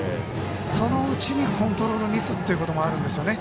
そのうちにコントロールミスということもあるんですよね。